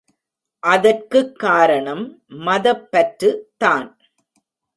அதற்குக் காரணம் மதப்பற்றுதான்.